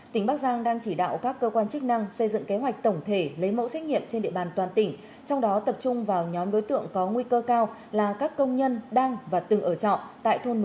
tỉnh bắc giang đang chỉ đạo các cơ quan chức năng xây dựng kế hoạch tổng thể lấy mẫu xét nghiệm trên địa bàn toàn tỉnh trong đó tập trung vào nhóm đối tượng có nguy cơ cao là các công nhân đang và từng ở trọ tại thôn núi hiểu với tần suất hai lần mỗi ngày